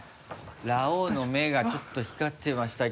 らおうの目がちょっと光ってました。